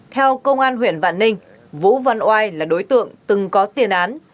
theo công an huyện vạn ninh vũ văn oai là đối tượng từng có tiền án